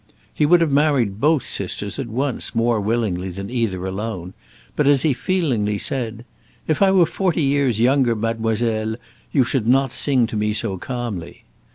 He would have married both sisters at once more willingly than either alone, but as he feelingly said, "If I were forty years younger, mademoiselle, you should not sing to me so calmly."